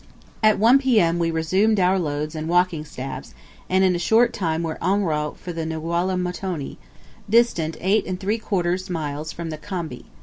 At 1 P.M. we resumed our loads and walking staffs, and in a short time were en route for the Ngwhalah Mtoni, distant eight and three quarter miles from the khambi.